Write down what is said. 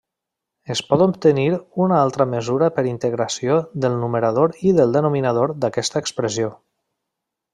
Es pot obtenir una altra mesura per integració del numerador i del denominador d'aquesta expressió.